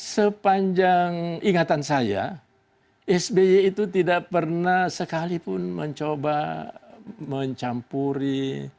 sepanjang ingatan saya sby itu tidak pernah sekalipun mencoba mencampuri